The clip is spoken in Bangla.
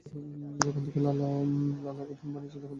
যখন থেকে লালা ওকে বোন বানিয়েছে, তখন থেকেই নিজের ইচ্ছেমতো চলছে।